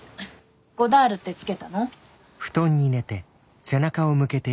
「ゴダール」って付けたの？